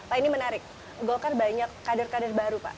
pak ini menarik golkar banyak kader kader baru pak